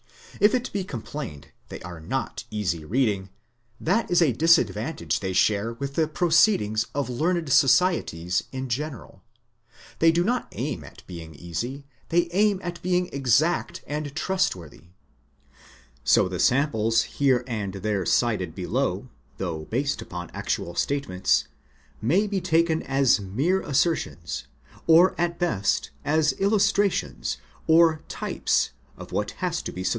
If it be complained they are not easy reading, that is a disadvantage they share with the Proceed ings of learned societies in general. They do not aim at being easy, they aim at being exact and trustworthy. So the samples here and there cited below, though based upon actual statements, may be taken as mere assertions, or at best as illustrations or types of what has to be substantiated, or else criticised and demolished, elsewhere.